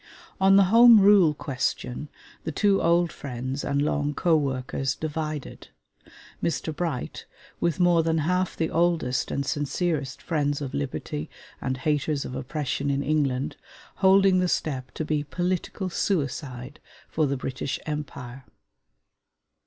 On the Home Rule question the two old friends and long co workers divided; Mr. Bright, with more than half the oldest and sincerest friends of liberty and haters of oppression in England, holding the step to be political suicide for the British Empire.